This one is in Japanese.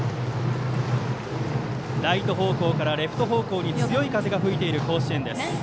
ライト方向からレフト方向に強い風が吹いている甲子園です。